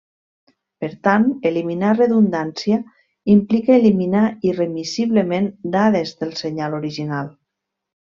Per tant, eliminar redundància implica eliminar irremissiblement dades del senyal original.